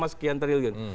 lima sekian triliun